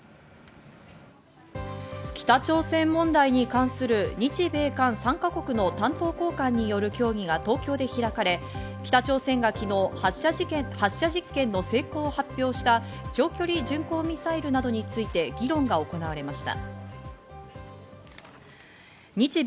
北朝鮮問題に関する日米韓３か国の担当高官による協議が東京で開かれ、北朝鮮が昨日、発射実験の成功を発表した、長距離巡航ミサイルなどについて議論が行われました。